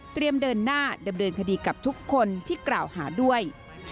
เดินหน้าดำเนินคดีกับทุกคนที่กล่าวหาด้วย